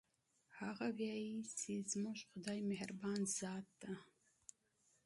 هغه وایي چې زموږ خدایمهربان ذات ده